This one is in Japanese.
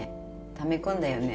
ため込んだよね。